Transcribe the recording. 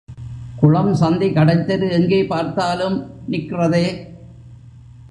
குளம், சந்தி, கடைத்தெரு, எங்கே பார்த்தாலும் நிக்றதே.